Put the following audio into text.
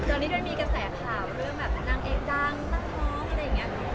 ตอนนี้ด้วยมีกระแสข่าวเรื่องแบบนางเอกดังตั้งท้องอะไรอย่างนี้